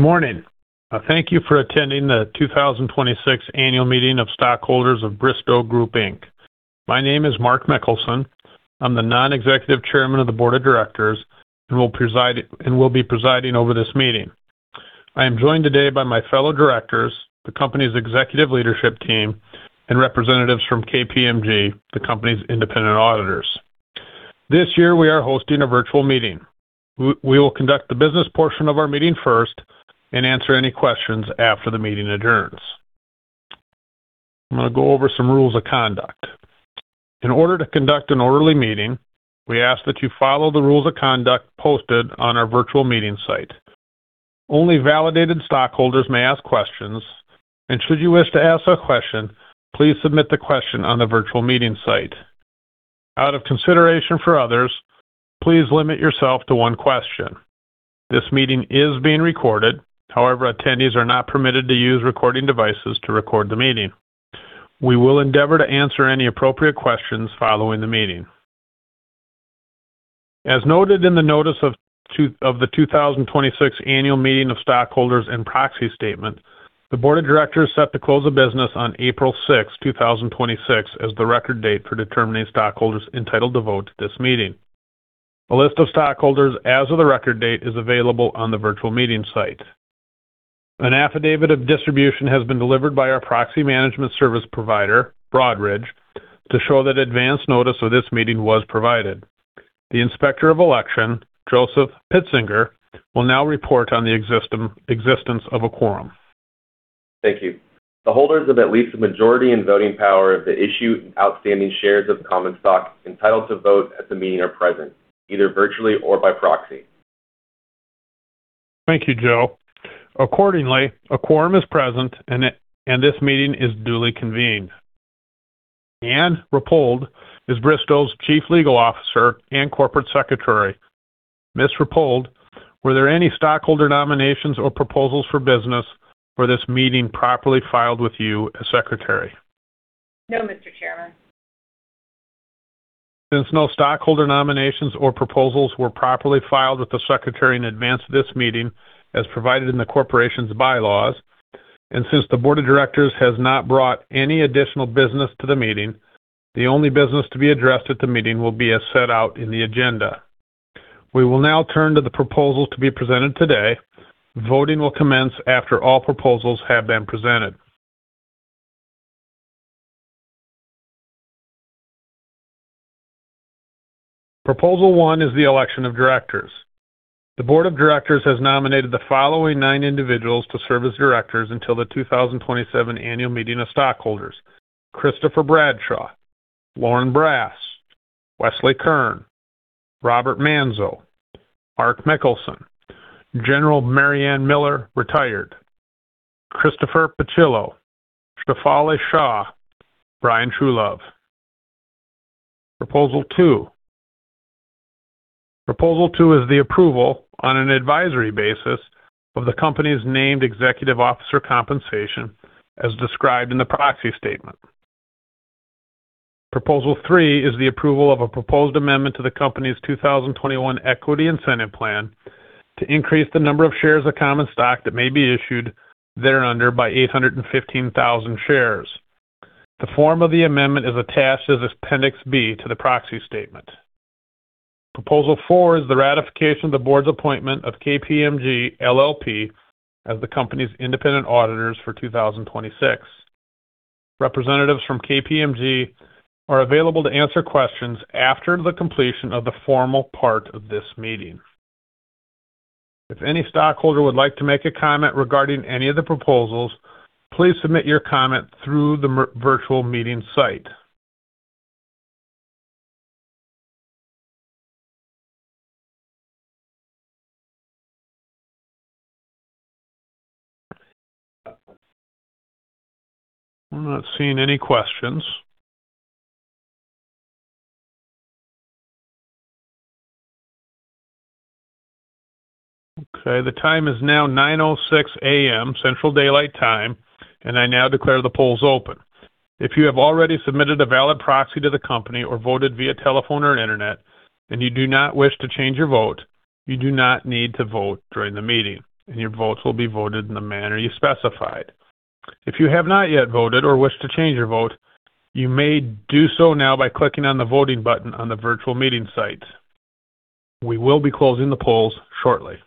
Morning. Thank you for attending the 2026 Annual Meeting of Stockholders of Bristow Group Inc. My name is Mark Mickelson. I'm the non-executive Chairman of the Board of Directors and will be presiding over this meeting. I am joined today by my fellow directors, the company's executive leadership team, and representatives from KPMG, the company's independent auditors. This year, we are hosting a virtual meeting. We will conduct the business portion of our meeting first and answer any questions after the meeting adjourns. I'm going to go over some rules of conduct. In order to conduct an orderly meeting, we ask that you follow the rules of conduct posted on our virtual meeting site. Only validated stockholders may ask questions, and should you wish to ask a question, please submit the question on the virtual meeting site. Out of consideration for others, please limit yourself to one question. This meeting is being recorded. However, attendees are not permitted to use recording devices to record the meeting. We will endeavor to answer any appropriate questions following the meeting. As noted in the notice of the 2026 annual meeting of stockholders and proxy statement, the Board of Directors set the close of business on April 6th, 2026, as the record date for determining stockholders entitled to vote at this meeting. A list of stockholders as of the record date is available on the virtual meeting site. An affidavit of distribution has been delivered by our proxy management service provider, Broadridge, to show that advance notice of this meeting was provided. The Inspector of Election, Joseph Pitzinger, will now report on the existence of a quorum. Thank you. The holders of at least a majority in voting power of the issued outstanding shares of common stock entitled to vote at the meeting are present, either virtually or by proxy. Thank you, Joe. Accordingly, a quorum is present, and this meeting is duly convened. Anne Rappold is Bristow's Chief Legal Officer and Corporate Secretary. Ms. Rappold, were there any stockholder nominations or proposals for business for this meeting properly filed with you as secretary? No, Mr. Chairman. Since no stockholder nominations or proposals were properly filed with the secretary in advance of this meeting, as provided in the corporation's bylaws, and since the board of directors has not brought any additional business to the meeting, the only business to be addressed at the meeting will be as set out in the agenda. We will now turn to the proposals to be presented today. Voting will commence after all proposals have been presented. Proposal one is the election of directors. The board of directors has nominated the following nine individuals to serve as directors until the 2027 annual meeting of stockholders. Christopher Bradshaw, Lorin Brass, Wesley Kern, Robert Manzo, Mark Mickelson, General Maryanne Miller, retired, Christopher Pucillo, Shefali Shah, Brian Truelove. Proposal two. Proposal two is the approval on an advisory basis of the company's named executive officer compensation as described in the proxy statement. Proposal three is the approval of a proposed amendment to the company's 2021 Equity Incentive Plan to increase the number of shares of common stock that may be issued thereunder by 815,000 shares. The form of the amendment is attached as Appendix B to the proxy statement. Proposal four is the ratification of the board's appointment of KPMG LLP as the company's independent auditors for 2026. Representatives from KPMG are available to answer questions after the completion of the formal part of this meeting. If any stockholder would like to make a comment regarding any of the proposals, please submit your comment through the virtual meeting site. I'm not seeing any questions. Okay. The time is now 9:06 A.M. Central Daylight Time, I now declare the polls open. If you have already submitted a valid proxy to the company or voted via telephone or internet, and you do not wish to change your vote, you do not need to vote during the meeting, and your votes will be voted in the manner you specified. If you have not yet voted or wish to change your vote, you may do so now by clicking on the voting button on the virtual meeting site. We will be closing the polls shortly.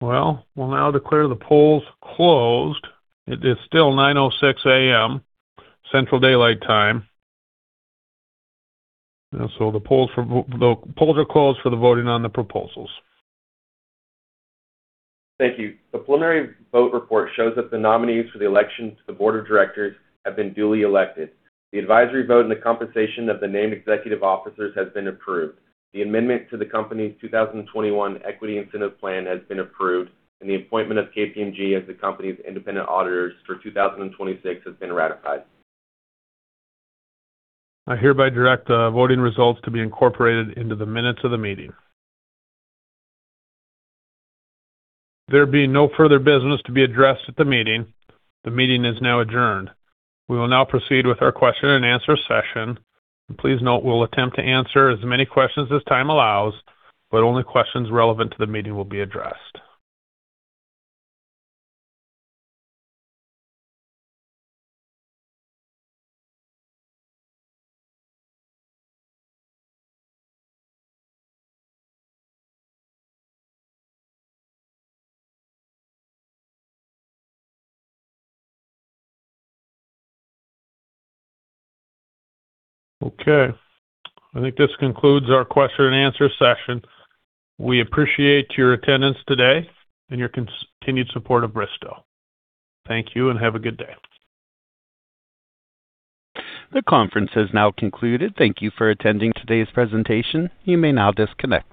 Well, we'll now declare the polls closed. It is still 9:06 A.M. Central Daylight Time. The polls are closed for the voting on the proposals. Thank you. The preliminary vote report shows that the nominees for the election to the Board of Directors have been duly elected. The advisory vote on the compensation of the named executive officers has been approved. The amendment to the company's 2021 Equity Incentive Plan has been approved, the appointment of KPMG as the company's independent auditors for 2026 has been ratified. I hereby direct the voting results to be incorporated into the minutes of the meeting. There being no further business to be addressed at the meeting, the meeting is now adjourned. We will now proceed with our question and answer session. Please note we'll attempt to answer as many questions as time allows, but only questions relevant to the meeting will be addressed. Okay, I think this concludes our question and answer session. We appreciate your attendance today and your continued support of Bristow. Thank you, and have a good day. The conference has now concluded. Thank you for attending today's presentation. You may now disconnect.